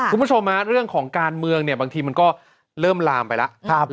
คุณผู้ชมเรื่องของการเมืองเนี่ยบางทีมันก็เริ่มลามไปแล้ว